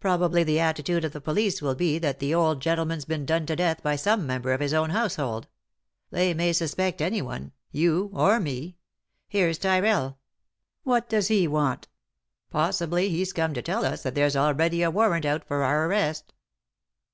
Pro bably the attitude of the police will be that the old gentleman's been done to death by some member of bis own household. They may suspect anyone — you I— or me! Here's Tyrrell ; what does he want ? Possibly he's coming to tell us that there's already a warrant out for our arrest."